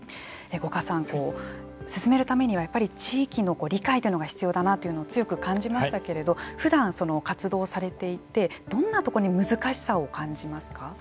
五箇さん、進めるためには地域の理解というのが必要だなというのを強く感じましたけれどもふだん活動されていてどんなところに難しさを感じますか。